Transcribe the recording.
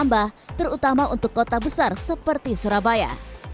tambah terutama untuk kota besar seperti surabaya